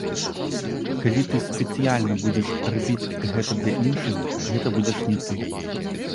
Калі ты спецыяльна будзеш рабіць гэта для іншых, гэта будзеш не ты.